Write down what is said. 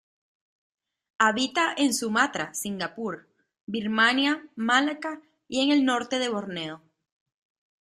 Habita en Sumatra, Singapur, Birmania, Malaca y en el norte de Borneo